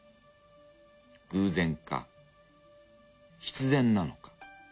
偶然か必然なのか。